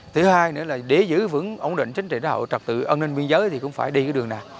thứ hai nữa là để giữ vững ổn định chính trị trật tự an ninh biên giới thì cũng phải đi cái đường này